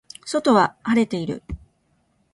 外は晴れている